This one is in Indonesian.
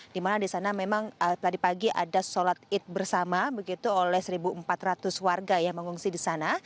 dimana di sana memang tadi pagi ada sholat id bersama begitu oleh satu empat ratus warga yang mengungsi di sana